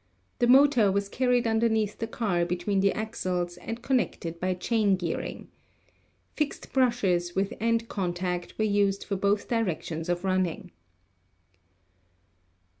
The mo tor was carried underneath the car between the axles and connected by chain gearing. Fixed brushes with end con tact were used for both directions of running.